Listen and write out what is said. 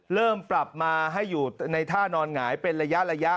เริ่มปรับมาให้อยู่ในท่านอนหงายเป็นระยะ